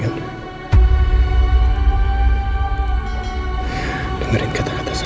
lalu kamu bisa disuruh tiada ket creepynya malah mungkin